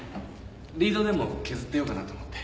リードでも削ってようかなと思って。